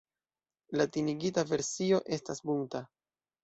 Latinigita versio estas "Bunta".